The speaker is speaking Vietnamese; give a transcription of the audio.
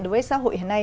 đối với xã hội hôm nay